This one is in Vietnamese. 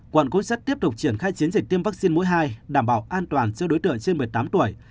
quản quốc sách tiếp tục triển khai chiến dịch tiêm vaccine mũi hai đảm bảo an toàn cho đối tượng trên một mươi tám tuổi